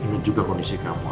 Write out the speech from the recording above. ini juga kondisi kamu